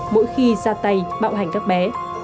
mỗi khi ra tay bạo hành các bé